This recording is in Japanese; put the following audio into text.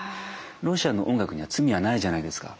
ロシアの音楽には罪はないじゃないですか。